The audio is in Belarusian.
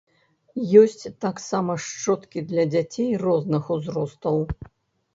Ёсць таксама шчоткі для дзяцей розных узростаў.